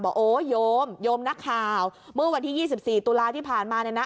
โอ้โยมโยมนักข่าวเมื่อวันที่๒๔ตุลาที่ผ่านมาเนี่ยนะ